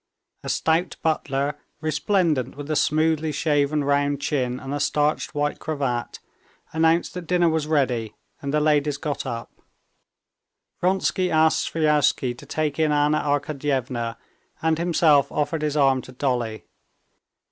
A stout butler, resplendent with a smoothly shaven round chin and a starched white cravat, announced that dinner was ready, and the ladies got up. Vronsky asked Sviazhsky to take in Anna Arkadyevna, and himself offered his arm to Dolly.